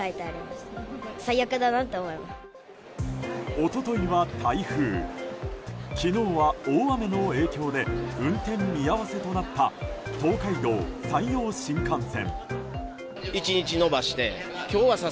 一昨日は台風昨日は大雨の影響で運転見合わせとなった東海道・山陽新幹線。